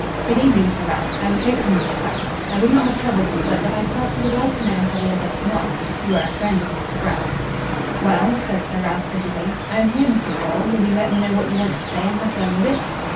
"Good evening, Sir Ralph. I was hoping you would come. I would not have troubled you but that I felt you would like to know how we are getting on. You were a friend of Mr. Grell's." "Well?" said Sir Ralph frigidly. "I am here, Mr. Foyle. Will you let me know what you want to say and have done with it?"